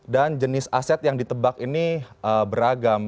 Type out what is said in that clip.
dan jenis aset yang ditebak ini beragam